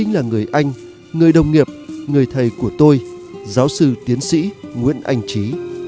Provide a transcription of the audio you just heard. người thầy của tôi giáo sư tiến sĩ nguyễn anh trí